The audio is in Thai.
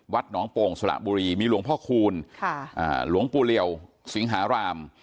น้องโป่งสละบุรีมีหลวงพ่อคูณหลวงปู่เรียวสิงหาราม